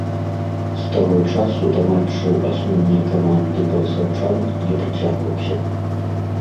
З таго часу да матчаў асноўнай каманды барысаўчан не прыцягваўся.